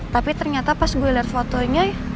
tapi ternyata pas gue liat fotonya